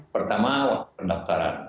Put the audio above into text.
pertama waktu pendaftaran